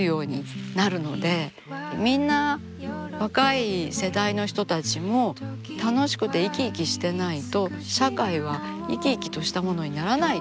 みんな若い世代の人たちも楽しくて生き生きしてないと社会は生き生きとしたものにならないと思うんですよね。